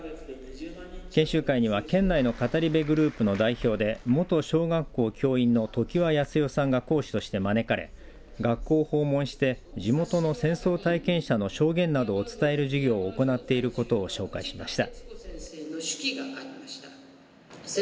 研修会には県内の語り部グループの代表で元小学校教員の常盤泰代さんが講師として招かれ学校を訪問して地元の戦争体験者の証言などを伝える授業を行っていることを紹介しました。